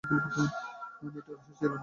আমি এটার আশায় ছিলাম।